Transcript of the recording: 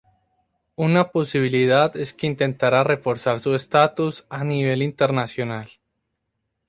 Una posibilidad es que intentara reforzar su estatus a nivel internacional.